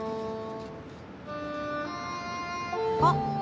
あっ！